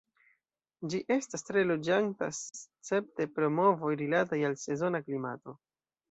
Ĝi estas tre loĝanta escepte pro movoj rilataj al sezona klimato.